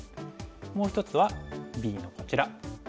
もう１つはＢのこちら。